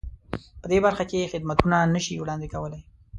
په دې برخه کې خدمتونه نه شي وړاندې کولای.